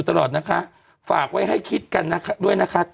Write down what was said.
สองปีกว่า